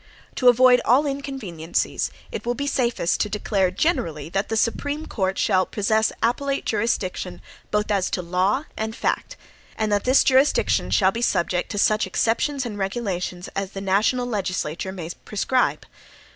To avoid all inconveniencies, it will be safest to declare generally, that the Supreme Court shall possess appellate jurisdiction both as to law and fact, and that this jurisdiction shall be subject to such exceptions and regulations as the national legislature may prescribe.